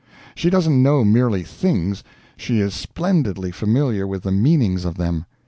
She doesn't know merely things, she is splendidly familiar with the meanings of them.